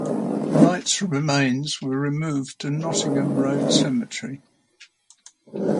Wright's remains were removed to Nottingham Road Cemetery.